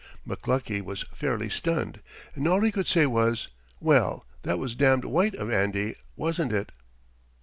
McLuckie was fairly stunned, and all he could say was: "Well, that was damned white of Andy, wasn't it?"